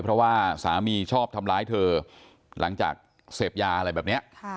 เพราะว่าสามีชอบทำร้ายเธอหลังจากเสพยาอะไรแบบนี้